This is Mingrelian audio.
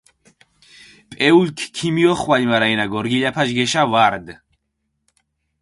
პეულქ ქომიოხვალჷ, მარა ენა გორგილაფაშ გეშა ვარდჷ.